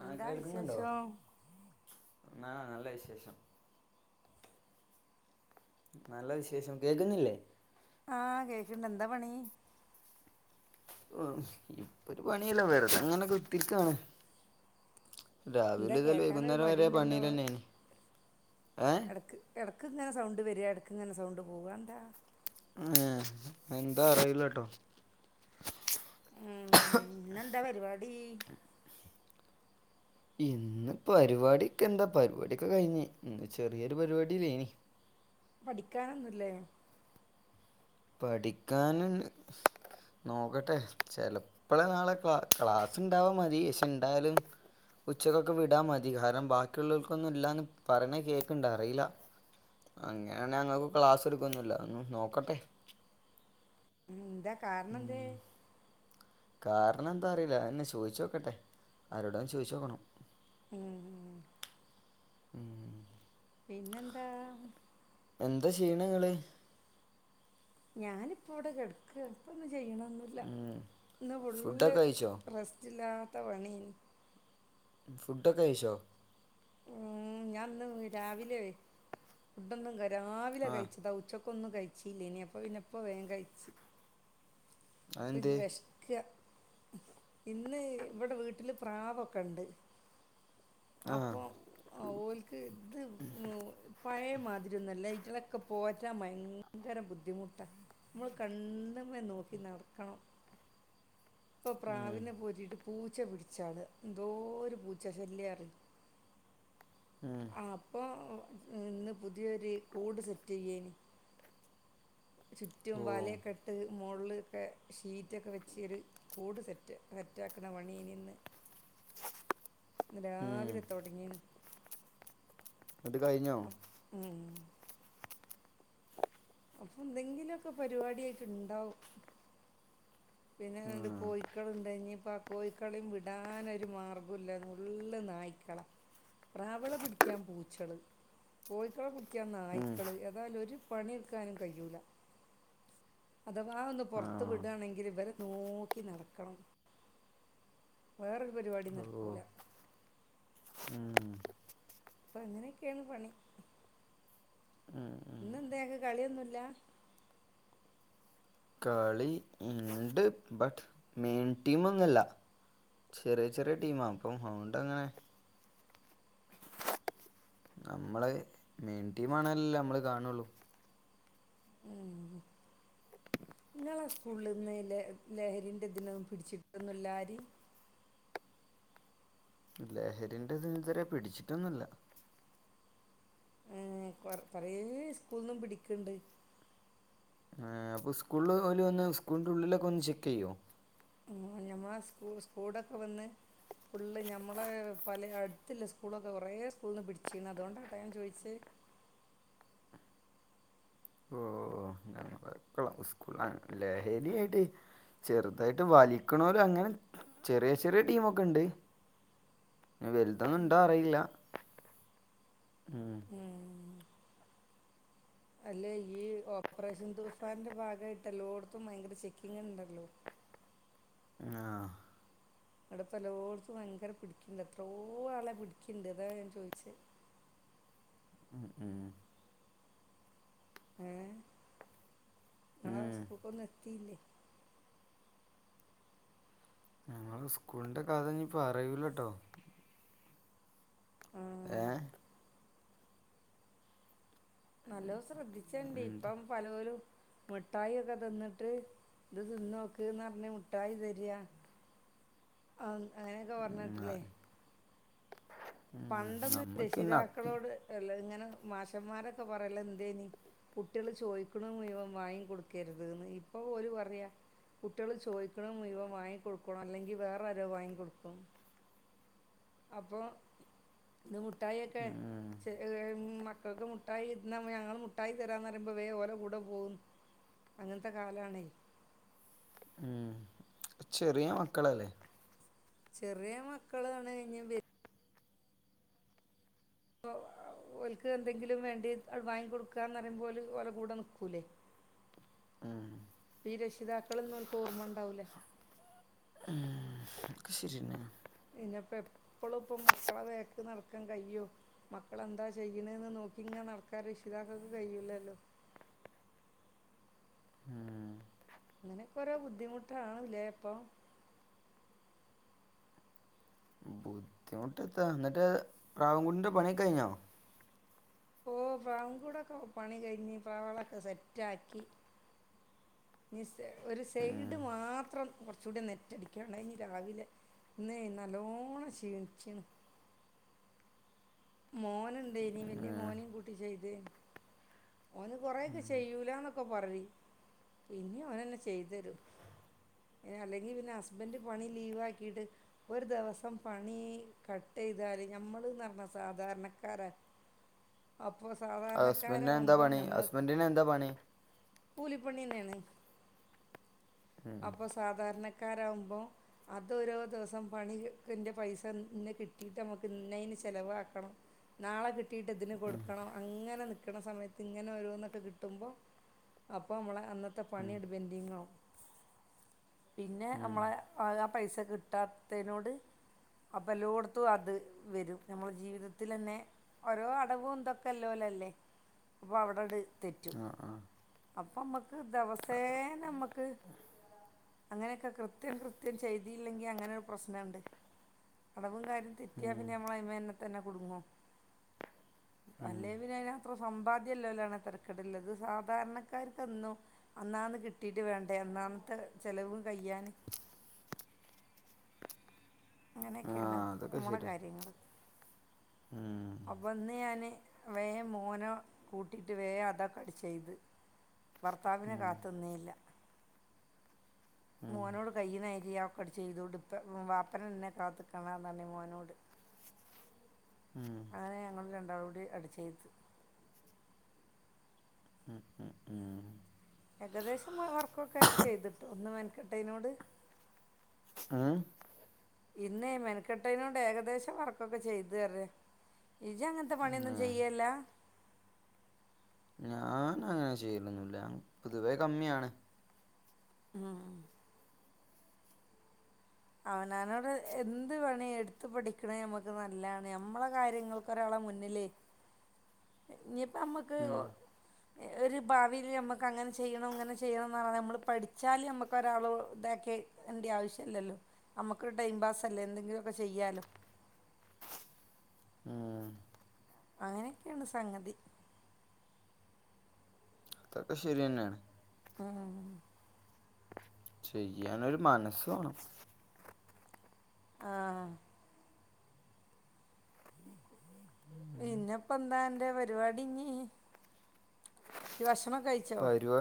ആഹ് എന്താ വിശേഷം? ന്നാ നല്ല വിശേഷം. നല്ല വിശേഷം. കേക്കുന്നില്ലേ? ആഹ് കേക്ണ്ട്. എന്താ പണി? ഏഹ് ഇപ്പൊ ഒര് പണി ഇല്ല. വെറുതെങ്ങനെ കുത്തിര്ക്കാണ്. എന്താ രാവിലെ മുതൽ കേക്കാനൊരു വൈകുന്നേരം വരെ മടിയുണ്ടല്ലോ പണിയിലെന്നേനി. ഏഹ് ക്ക് ഇങ്ങനെ സൗണ്ട് വരാ എടക്ക് ഇങ്ങനെ സൗണ്ട് പോവാ അഎന്താ? ആതേ എന്താ അറീല്ലട്ടോ. ഉം ഇന്ന് എന്താ പരിപാടി? ഇന്ന് പരിവാടിക്കെന്താ. പരിവാടിയൊക്കെ കഴിഞ്ഞ്. ഇന്ന് ചെറിയൊരു പരിപാടീലേനി. പഠിക്കാനൊന്നുല്ലേ? പഠിക്കാൻ നോക്കട്ടെ ചെലപ്പളെ നാളെ ക്ലാ ക്ലാസ് ഇണ്ടാവാ മതി ക്ഷെ ഇണ്ടായാലും ഉച്ചക്കൊക്കെ വിടാ മതി. കാരണം ബാക്കിയുള്ളോൽക്കൊന്നും ഇല്ലാന്ന് പറിണെ കേക്ണ്ട്. അറീല്ല. അങ്ങനാണെ ഞങ്ങൾക്ക് ക്ലാസ്സ് ഇട്ട്ക്കൊന്നുല്ല. ഒന്നു നോക്കട്ടെ. ഇന്ത കാരണം എന്തേ? ഉം. കാരണം എന്താ അറിയില്ല. അതെന്നെ ചോയിച്ചോക്കട്ടെ ആരോടെലും ചോയിച്ചോക്കണം. ഉം ഉം. [inaudible] പിന്നെന്താ എന്താ ശെയ്യ്ണങ്ങള് ഞാനിപ്പോ ഇവിടെ കെടക്ക ക്ഷീണമൊന്നുമില്ല. ഇന്ന് ഫുൾ ഫുഡൊക്കെ കഴിച്ചോ റെസ്റ്റില്ലാ ത്ത പണിയേനി ഫുഡൊക്കെ കഴിച്ചോ ഉം. ഞാന്ന് രാവിലെ കഴിച്ചു. ഫുഡൊന്നും ക രാവിലെ ആ കഴിച്ചതാ ഉച്ചക്ക് ഒന്നും കഴിച്ചീല്ല ഇനി അപ്പ പിന്നെപ്പ വേം കഴിച്ച് പിന്നെ അതെന്ത് വെശക്വ ഇന്ന് ഇവിടെ വീട്ടില് പ്രാവൊക്കെ ണ്ട് ആ അപ്പൊ ഓൽക്ക് ഇത് ഉ പഴയ മാതിരിയൊന്നൊല്ല ഇയ്റ്റ ളൊക്കെ പോറ്റാൻ ഭയങ്കര ബുദ്ധിമുട്ടാ. നമ്മള് കണ്ണ്മ്മെ നോക്കി നട് അ ഇപ്പൊ ഉം. പ്രാവിനെ പോറ്റീട്ട് പൂച്ച പിടിച്ചള് എന്തോരു പൂച്ച ശല്യാരു ഉം. ആ അപ്പൊ ഇന്ന് പുതിയൊരു കൂട് സെറ്റെയ്യെനി ചുറ്റും ഓ വലയൊക്കെ ഇട്ട് മോൾലൊക്കെ ഷീറ്റൊക്കെ വെച്ച് ഒരു കൂട് സെറ്റ് സെറ്റാക്കണ പണിയേനിന്ന് ഉം. രാവിലെ തൊടങ്ങീണ് ഇങ്ങട്ട് കഴിഞ്ഞോ ഉം അപ്പൊ എന്തെങ്കിലൊക്കെ പരിപാടി ആയിട്ട് ണ്ടാവും പിന്നെണ്ട് ആഹ് കോയിക്കളുണ്ടനീം അപ്പ ആ കോഴിക്കളെം വിടാനൊരു മാർഗ്ഗം ഇല്ല ഫുള്ള് നായ്ക്കളാ പ്രാവളെ പിടിക്കാൻ പൂച്ചള് കോയിക്കളെ പിടി ക്കാൻ ഉം നായ്ക്കള് ഏതാലും ഒരു പണിയെടുക്കാനും കയൂല്ല അഥവാ ഒന്ന് പുറത്ത് ആഹ് വിടാണെങ്കി ഇവരെ നോക്കി നടക്കണം വേറൊരു പരിപാടി ഓ നടക്കൂല ഉം അപ്പൊ അങ്ങനെയൊക്കെയാണ് പണി ഉം ഉം ഇന്ന് എന്താ ഇയാക്കെ കളിയൊന്നുമി ല്ല കളി ഇണ്ട് ബട്ട് മെയിൻ ടീമൊന്നുമല്ല ചെറിയ ചെറിയ ടീമാ ഇപ്പം ഔണ്ട് അങ്ങനെ നമ്മളെ മെയിൻ ടീ ആണല്ലല്ലേ നമ്മള് കാണുള്ളു ഉ നിങ്ങളാ സ്കൂളിൽ നിന്ന് ല ലഹരിന്റെ ഇതിനൊന്നും പിടിച്ചിട്ടൊന്നില്ലാരി ലഹരിറ ഇതിെതിരെ പിടിച്ചിട്ടൊന്നുമല്ല ഏർ കൊറ പറയ സ്കൂളന്നും പിടിക്കണ്ട് ആ അപ്പൊ സ്കൂള പോല ഒന്ന് സ്കൂളിറെ ഉള്ളിലൊക്കെ ഒന്ന് ചെക്ക് ചെയ്യോ ഞമ്മ സ്ൂ സ്കൂളൊക്കെ വന്ന് ഫുള്ള് ഞമ്മളെ പല അടുത്തല്ല സ്കൂളൊക്കെ കൊറെേ സ്കൂള നിന്ന് പിടിച്ചിന്ന് അതുകൊണ്ടാട്ട ഞൻ ചോദിച്ചത് സ്കൂള ലഹരി ആായിട്ട് ചെറുതായിട്ട് വലിക്കണലോ അങ്ങനെ ചെറിയ ചെറിയ ടീമ ഒക്കെ ഉണ്ട് വലുതൊന്നും ഇണ്ടോ അറിയില്ല ഉ അല്ലെ ഈ ഓപ്പറേഷൻ തുഫാന്റെ ഭാഗമായിട്ട് എല്ലോായിടത്തും ഭയങ്കര ചെക്കിങ്ണ്ടല്ലോ ആ ഇവിടെ തലോടത്തും ഭയങ്കര പിടിക്കണ്ട് എത്രോ ആളെ പിടിക്കണ്ട് ഇതാ ഞാൻ ചോദിച്ചേ ഉ ഉം എഏ നഞളെ ഉം. വസ്തുക്കെ നിർത്തിയില്ലേ ഞങ്ങള് സ്കൂളിന്റെ കഥനി ഇപ്പ അറിവൂലട്ടോ ഏ ആ നല്ല ശ്രദ്ധിച്ചണ്ട് എന്ത് ഇപ്പം പല പോലും മുഠായി ഒക്കെ തിന്നിട്ട് ഇത് തി നോക്കന്ന് പറഞ്ഞ മുഠായി തരിക അങ്ങനെയൊക്കെ ഉം. ആ. പറഞ്ഞിട്ടില്ലേ ഉം. പണ്ടെന്ന് നമ്മക്ക് പിന്നെ അത് രക്ഷിതാക്കളോട് അല്ല ഇങ്ങനെ മാശന്മാരൊക്കെ പറയല എന്തേനി കുട്ടികൾ ചോദിക്കണ മുഴവം വാങ്ങി കൊടുക്കരുത്ന്ന് ഇപ്പൊ പോലും പറയാ കുട്ടികൾ ചോദിക്കണ മുഴുവ വാങ്ങിിക്ക കൊടുക്കണം അല്ലെങ്കി വേറെരോ വാങ്ങിൊടുക്കണം അപ്പൊ ഇ തൊക്കെ ഉം. മക്കൾക്ക് മുട്ടായി ഇ ഞങ്ങൾ മുട്ടായി തരാന്ന് പറയുമ്പോ വേ ഓരോ കൂടെ പോകുന്നു അങ്ങനത്തെ കാലണേ ഉ ചെറിയ മക്കള അല്ലേ ചെറിയ മക്കളാണ് കഴിഞ്ഞ ഒഓലക്ക് എന്തെങ്കിലും വേണ്ടി അ വാങ്ങി കൊടുക്കുകന്ന്റിയുമ്പോല ഒഓല കൂടെ നിൽക്കൂലേ ആഹ ഈ രക്ഷിതാക്കൾൊന്നും ഒക്ക് ഓർമ്മ ഉണ്ടാവലേ ക ശരിന് ഇനിപ്പോ എപ്പഴും ഇപ്പ മക്കളെ വേക്ക് നടക്കാൻ കയ്യോ മക്കളെന്താ ചെയ്യണന്ന് നോക്കി ഇങ്ങ നടക്കാൻ രക്ഷിതാക്കക്ക് കഴയിൂലല്ലോ ആം അങ്ങനെക്കെരോ ബുദ്ധിമുട്ടണ ഇല്ലേപ്പം ബുദ്ധിമുട്ടത്താ എന്നിട്ട് പ്രാവൻകുടിിന്റെ പണി കഴിഞ്ഞോ ഓ പ കൂടെൊക്കെ പണി കഴിഞ്ഞി പ്രവളൊക്കെ സെറ്റ് ആാക്കി ഒരു ഉം. സൈഡ് മാത്രം കുറച്ച കൂടി നെറ്റടിക്കുകാണ്ഞ് രാവിലെ ഇന്ന് നല്ലോണ്ണം ക്ഷീണിച്ചണ് മോന ഉണ്ട് ഇനി വലിയ ഉം. മോനും കുട്ടി ചെയ്ത് ഓന് കുറെേൊക്കെ ചെയ്യൂലന്ന് [unintelligible] പിന്നെ അവര് തന്നെ ചെയ്തരും അല്ലെങ്കി പിന്നെ ഹസ്ബൻഡ് പണി ലീവാക്കിട്ട് ഒര് ദിവസം പണി കട്ട്‌ ചെയ്താല് ഞമ്മള് എന്നറഞ്ഞ സാധാരണക്കാര അ ഹസ്ബൻഡിനെ എന്താ പണി ഹസ്ബൻഡിനെ എന്താ പണി കൂലിപ്പണി തന്നെയാണ് ഉം. അപ്പൊ സാധാരണ [unintelligible] അതോരോ ദിവസം പണികിന്റെ പൈസ ഇന്ന് കിട്ടീട്ട് നമ്മക്ക് ഇന്നെയിന് ചെലവാക്കണം നാളെ കിട്ടിട്ട ഇതിന് കൊടുക്കണം അങ്ങനെ നി കൽക്കണ സമയത്ത് ഇങ്ങനെ ഒരുോന്നൊക്കെ കിട്ടുമ്പോൾ അപ്പോൾ നമ്മളെ അന്നത്തെ പണി എടുപ്പം എന്തെങ്ങോ പിന്നെ നമ്മളെ പൈസ കിട്ടാത്തതിനോട് അപ്പൊ എല്ലോടത്തും അത് വരും നമ്മുടെ ജീവിതത്തിൽ തന്നെ ഓരോ അടവും ഇന്തൊക്കെയല്ലോല്ലല്ലേ അപ്പോൾ അവിടെട് ആ ആ അപ്പം നമുക്ക് ദിവസേന നമുക്ക് അങ്ങനെയൊക്കെ കൃത്യം കൃത്യം ചെയ്തിയില്ലെങ്കില് അങ്ങനെരു പ്രശ്നമുണ്ട് അടകവും കാര്യം തെറ്റിയാ ഉം. പിന്നെ നമ്മള തന്നെ കൊടുങ്ങും അല്ലേ വിനന അത്ര സമ്പാദ്യം ഇല്ലല്ലാണ് തിരക്കിടുള്ളത് സാധാരണക്കാർക്ക് അന്നാന്ന് കിട്ടിയിട്ട് വേണ്ട എന്നാമത്തെ ചെലവും കയ്യാന് ആ അങ്ങനെയൊക്കെയാണ് അതൊക്കെ നമ്മള ശരി കാര്യങ്ങൾ ഉം. അപ്പന്ന് ഞാന് വേ മോനോ കൂട്ടിട്ട് വേ അതാ കട ചെയ്ത് ഭർത്താവിനന് കാത്തൊന്നല്ല മോനോട് കയ്യുന്നായി ക്ക ചെയ്തൊണ്ട് ഇ വാപ്പന എന്നന്നെ കാത്ത്ക്കണ മോനോട് അങ്ങനെ ഞങ്ങള രണ്ടാളും അടെ അടിച്ചേത് ഉം ഉം ഉം ഏകദേശം വർക്കൊക്കെ ചെയ്തിട്ട് ഒന്ന് വെനക്കട്ടെനോട് ആഹ ഇന്നേ മെനക്കെട്ടേനോണ്ട് ഏകദേശം വർക്കൊക്കെ ചെയ്തു തരെ ഇജ്ജ് അങ്ങനത്തെ പണിയൊന്നും ഉം. ചെയ്യില്ല ഞാൻ അങ്ങനെ ചെയ്ലന്നുല്ല പൊതുവേ കമ്മിയാണ് ഉം അവനാനോട് എന്ത് പേണി എടുത്തു പഠിക്കണ നമ്മക്ക് നല്ലാണ് ഞമ്മളെ കാര്യങ്ങൾക്ക് ഒരാളെ മുന്നിലേ നമുക്ക് ഉം, ഒരു ഭാവിയിൽ നമുക്ക് അങ്ങനെ ചെയ്യണം ഇങ്ങനെ ചെയ്യണ പറ നമ്മൾ പഠിച്ചാൽ നമുക്ക ഒരാൾ ഇതാക്കിയ എേണ്ടറെ ആവശ്യമല്ലല്ലോ നമ്മുക്കൊരു ടൈം പാസ്സ അല്ലേ എന്തെങ്കിലുമൊക്കെ ചെയ്യാലോ ഇം അങ്ങനെക്കെയാണ് സംഗതി അതൊക്കെ ശരിയെന്നെയാണ് ഇം ചെയ്യാനൊരു മനസ്സ് വേണം ആഹ് പിന്നപ്പെന്താ അന്റെ പരിപാടിഞ്ഞീ ഇജ് ഭക്ഷണോ കഴിച്ചോ പരിപാ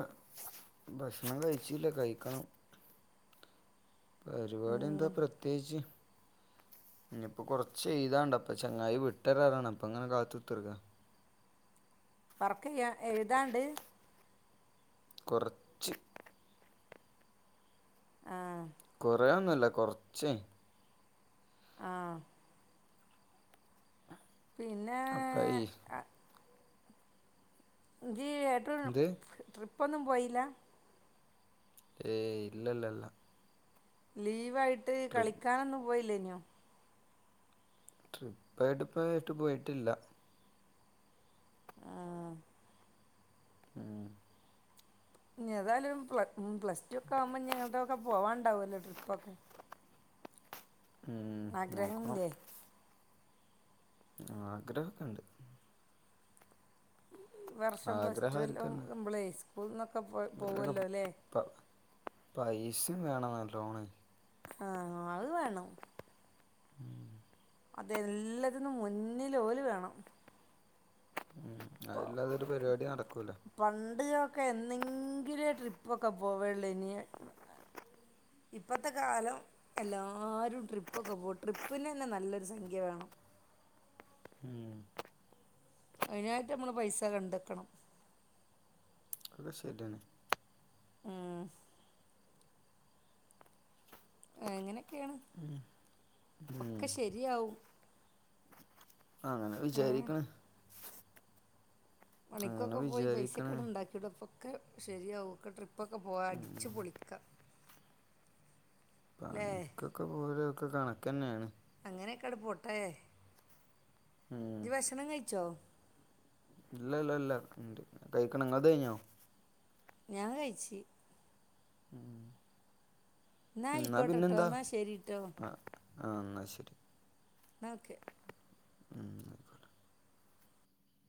ഭക്ഷണം കഴിച്ചില്ല കഴിക്കണം പരിപാടി എന്താ ഉം പ്രത്യേകിച്ച് ഇനിയിപ്പൊ കൊറച്ച് എയ്താണ്ട് അപ്പൊ ചങ്ങായി വിട്ടാരറന് അപ്പങ്ങനെ കാത്തുത്തർക്ക വർക്ക് യ്യാ എഴുതാണ്ട് കൊറച്ച് ആഹ് കൊറേയൊന്നുല്ല കൊറച്ച് ആഹ് പിന്നേ അപ്പം ഈ ഈ [unintelligible] ട്ട്രിപ്പ് എന്ത് ട്രിപ്പൊന്നും പോയില്ല ഏയ് ഇല്ല ഇല്ലല്ലല്ല ലീവായിട്ട് ട്ട് ട്രിപ്പ് കളിക്കാനൊന്നും പോയില്ലെന്നു ട്രിപ്പായിട്ട് ഇപ്പ ഇറ്റ് പോയിട്ടില്ല ആഹ് ഉം ഏതായാലും പ്ല പ്ലസ് ടു ഒക്കെ ആവുമ്പോ ഞങ്ങട്ടൊക്കെ പോവാണ്ടുവല്ലേ ട്രിപ്പൊക്കെ ഇം നോക്കണം ആഗ്രഹംല്ലേ ആഗ്രഹൊക്കെണ്ട് വർഷം പ്ലസ് ടു എല്ലാം ആഗ്രഹായിരിക്കന്നെ എംപ്ലോയ്‌സ് [unintelligible] ഒക്കെ പോ പോവല്ലോ ല്ലേ പൈസിംവേണം നല്ലോണം ആഹ് അത് വേണം ഉം അതെല്ലാത്തിന്നും മുന്നില് ഓല് വേണം ഉം ഇപ്പൊ അതില്ലാതൊരു പരിപാടി നടക്കൂല പണ്ട് ഒക്കെ എന്നെങ്കിലും ട്രിപ് ട്രിപ്പൊക്കെ പോവേള്ള ഇനി ഇപ്പത്തെ കാലം എല്ലാരും ട്രിപ്പൊക്കെ പോകും ട്രിപ്പിന് തന്നെ നല്ലൊരു സംഖ്യ വേണം ഉം അതിനായിട്ട് നമ്മള് പൈസ കണ്ടെത്ത ണം അതൊക്കെ ശരിതന്നെ ഉം എങ്ങനെക്കെയാണ് ഉം ഒക്കെ ശരിയാവും അങ്ങനെ ഏ വിചാരിക്ക്ണ് അങ്ങനെ പണിക്കൊക്കെ പോയി വിചാരിക്ക്ണ് പൈസൊക്കെട്ണ്ടാക്കിക്കൂടെപ്പം. ഒക്കെ ശെരിയാവും ഒക്കെ ട്രിപ് പ്പൊക്കെ പോവ അടിച്ച് പൊളിക്ക. പണിക്കൊക്കെ പോരും ഒക്കെ കണക്കെന്നാണ്. അങ്ങനെക്കാട് പോട്ടെ. ഉം ജ് ഭക്ഷണം കഴിച്ചോ ഇല്ല ഇല്ല ഇല്ല ണ്ട് കഴിക്കണം ഇങ്ങൾതയ്ഞ്ഞോ? ഞാൻ കഴിച്ച്. ഉം ന്നാ അയ്ക്കോട്ടെട്ടോ ന്നാ ശെരിട്ടോ. ആഹ് ആഹ് ന്നാ ശെരി. ഇന്നാ ഓക്കെ. ഉം അയ്ക്കോട്ടെ.